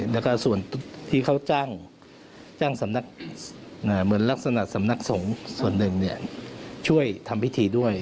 แล้วก็ส่วนที่เขาจ้างสำนักเหมือนลักษณะสำนักสงฆ์ส่วนหนึ่งช่วยทำพิธีด้วย